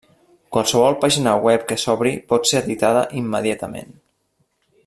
Qualsevol pàgina web que s'obri pot ser editada immediatament.